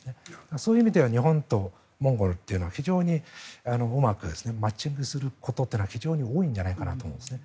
そういう意味では日本とモンゴルは、非常にうまくマッチングすることは非常に多いんじゃないかなと思うんですね。